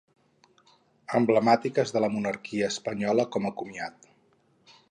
Emblemàtiques de la monarquia espanyola com a comiat.